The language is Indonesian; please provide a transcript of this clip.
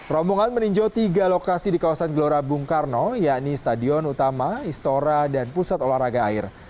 rombongan meninjau tiga lokasi di kawasan gelora bung karno yakni stadion utama istora dan pusat olahraga air